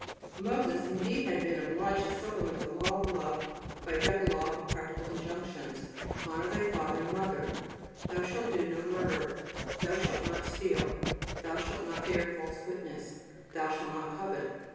Moses, indeed, had been obliged to supplement the law of love by a decalogue of practical injunctions: "Honor thy father and mother, Thou shalt do no murder, Thou shalt not steal, Thou shalt not bear false witness, Thou shalt not covet."